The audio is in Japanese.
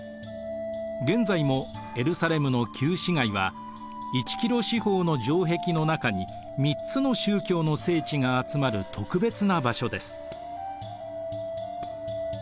現在もエルサレムの旧市街は１キロ四方の城壁の中に３つの宗教の聖地が集まる特別な場所です。